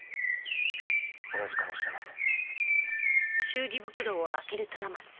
親父かもしれません。